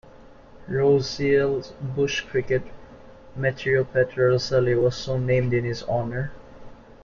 Roesel's bush-cricket "Metrioptera roeseli" was so named in his honour.